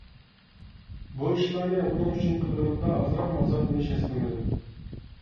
بۇ ئىشلارنى ئۇنىڭ ئۈچۈن قىلغىنىمدا ئازراقمۇ ئازابلىنىش ھېس قىلمىدىم.